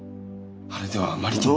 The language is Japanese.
あれではあまりにも。